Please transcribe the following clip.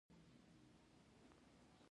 پخپله ترهګري کوي، عام پښتانه وژني.